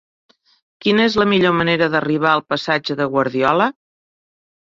Quina és la millor manera d'arribar al passatge de Guardiola?